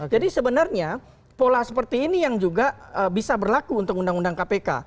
jadi sebenarnya pola seperti ini yang juga bisa berlaku untuk undang undang kpk